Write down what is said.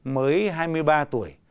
mới hai mươi ba tuổi